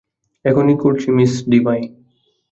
এখনই করছি, Miss divine.